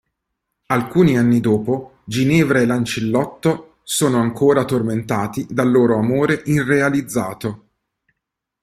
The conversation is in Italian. Alcuni anni dopo, Ginevra e Lancillotto sono ancora tormentati dal loro amore irrealizzato.